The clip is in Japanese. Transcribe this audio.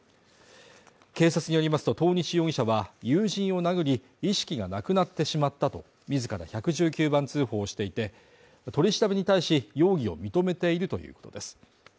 警察によりますと遠西容疑者は友人を殴り、意識がなくなってしまったと自ら１１９番通報をしていて、取り調べに対し容疑を認めているということです。